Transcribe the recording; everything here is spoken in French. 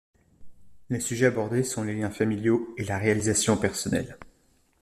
Les sujets abordés sont les liens familiaux et la réalisation personnelle.